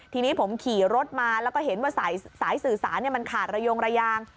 ทีนี้ผมขี่รถมาแล้วก็เห็นว่าสายสื่อสารมันขาดระยงระยาง